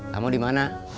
kamu di mana